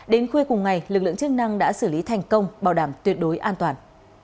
đến khuya cùng ngày lực lượng chức năng đã xử lý thành công bảo đảm tuyệt đối an toàn